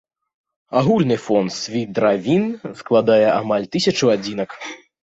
Агульны фонд свідравін складае амаль тысячу адзінак.